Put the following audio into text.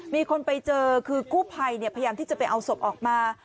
มีคนไปเจอคือกู้ภัยพยายามที่จะไปเอาศพออกมา